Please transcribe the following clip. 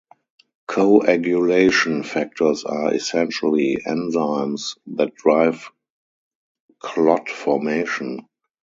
Coagulation factors are essentially enzymes that drive clot formation.